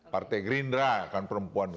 partai gerindra kan perempuan